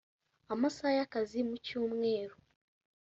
amasaha y’akazi mu cyumweru